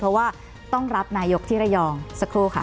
เพราะว่าต้องรับนายกที่ระยองสักครู่ค่ะ